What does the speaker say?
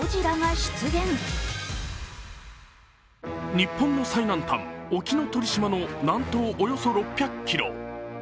日本の最南端・沖ノ鳥島の南東およそ６００ｋｍ。